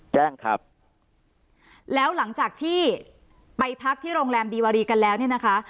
แจ้งครับแล้วหลังจากที่ไปพักที่โรงแรมดีวารีกันแล้วเนี่ยนะคะ